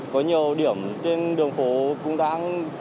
có nhiều điểm trên đường phố cũng đang